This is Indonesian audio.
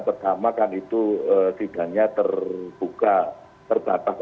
pertama sidangnya terbuka terbatas